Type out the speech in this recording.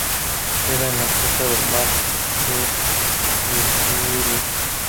Queda en la costa del mar de Liguria.